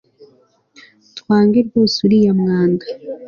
Twange rwose uriya mwanda